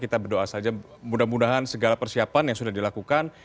kita berdoa saja mudah mudahan segala persiapan yang sudah dilakukan